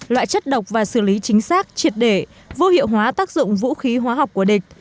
loại chất độc và xử lý chính xác triệt để vô hiệu hóa tác dụng vũ khí hóa học của địch